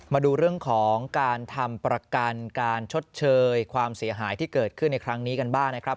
มาดูเรื่องของการทำประกันการชดเชยความเสียหายที่เกิดขึ้นในครั้งนี้กันบ้างนะครับ